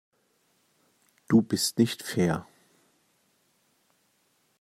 Du bist nicht fair.